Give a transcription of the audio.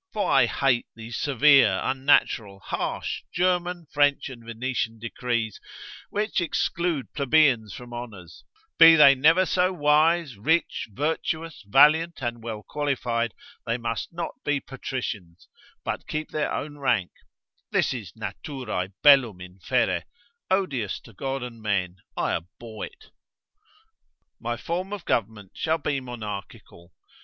For I hate these severe, unnatural, harsh, German, French, and Venetian decrees, which exclude plebeians from honours, be they never so wise, rich, virtuous, valiant, and well qualified, they must not be patricians, but keep their own rank, this is naturae bellum inferre, odious to God and men, I abhor it. My form of government shall be monarchical.